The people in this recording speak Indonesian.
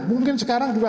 mungkin sekarang juga